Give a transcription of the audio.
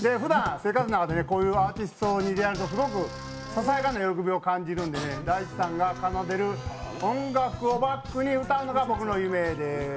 こういうアーティストに出会うとささやかな喜びを感じるのでＤａｉｃｈｉさんが奏でる音楽をバックに歌うのが僕の夢です。